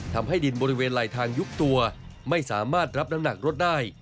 ทำให้ดินบริเวณไหลทางยุบตัวไม่สามารถรับน้ำหนักรถได้